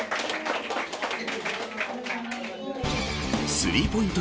スリーポイント